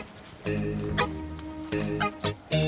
keh gini ya